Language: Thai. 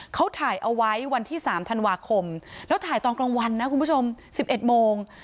เขาถ่ายเอาไว้วันที่๓ธันวาคมแล้วถ่ายตอนกลางวันนะคุณผู้ชม๑๑โมง